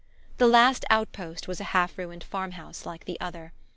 The last outpost was a half ruined farmhouse like the other.